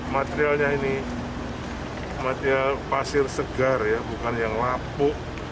materialnya ini material pasir segar ya bukan yang lapuk